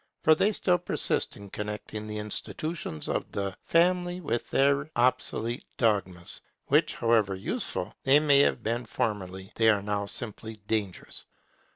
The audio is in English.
For they still persist in connecting the institutions of the Family with their obsolete dogmas, which, however useful they may have been formerly, are now simply dangerous.